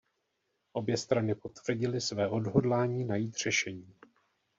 Obě strany potvrdily své odhodlání najít řešení.